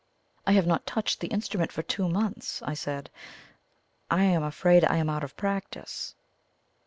"I have not touched the instrument for two months," I said; "I am afraid I am out of practice."